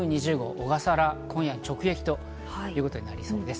小笠原、今夜直撃ということになりそうです。